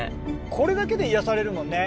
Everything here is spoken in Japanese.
これだけで癒やされるもんね。